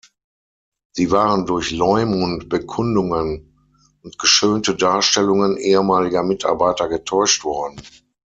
Sie waren durch Leumund-Bekundungen und geschönte Darstellungen ehemaliger Mitarbeiter getäuscht worden.